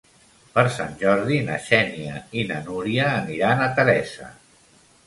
Per Sant Jordi na Xènia i na Núria aniran a Teresa.